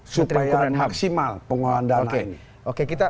supaya maksimal pengolahan dana ini